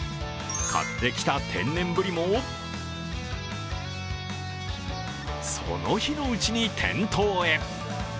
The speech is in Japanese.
買ってきた天然ブリもその日のうちに店頭へ。